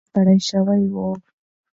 پلار مخکې هم ستړی شوی و.